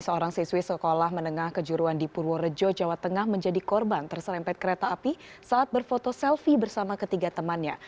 seorang siswi sekolah menengah kejuruan di purworejo jawa tengah menjadi korban terserempet kereta api saat berfoto selfie bersama ketiga temannya